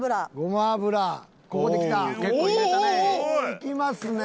いきますね。